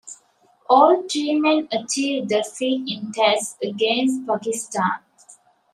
All three men achieved the feat in Tests against Pakistan.